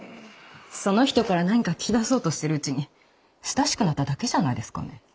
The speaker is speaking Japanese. その人から何か聞き出そうとしてるうちに親しくなっただけじゃないですかね？